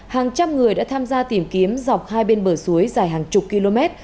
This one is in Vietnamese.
hàng trăm người đã tham gia tìm kiếm dọc hai bên bờ suối dài hàng chục km